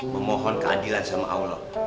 memohon keadilan sama allah